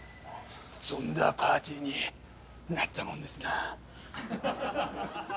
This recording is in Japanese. とんだパーティーになったもんですな。